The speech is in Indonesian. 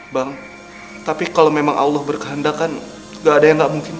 bang tapi kalau memang allah berkehendak kan gak ada yang gak mungkin